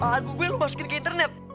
lagu gue lu masukin ke internet